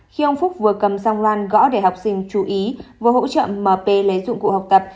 khi ông phúc vừa cầm song loàn gõ để học sinh chú ý và hỗ trợ m p lấy dụng cụ học tập